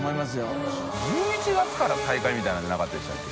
小峠）１１月から再開みたいなのなかったでしたっけ？